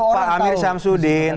pak amir syamsudin